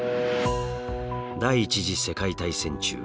第１次世界大戦中